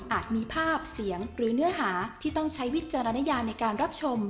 มีภาพเสียงหรือเนื้อหาที่ต้องใช้วิจารณญาในการรับชม